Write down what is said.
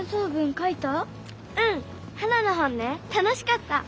ハナの本ね楽しかった。